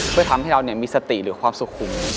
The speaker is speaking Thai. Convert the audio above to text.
เพื่อทำให้เรามีสติหรือความสุขุม